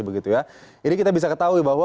begitu ya ini kita bisa ketahui bahwa